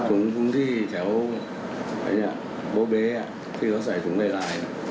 ถุงที่แถวโบเบ๊คือเอาใส่ถุงได้ราย